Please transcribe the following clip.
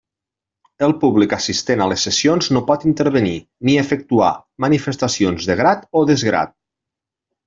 El públic assistent a les sessions no pot intervenir, ni efectuar manifestacions de grat o desgrat.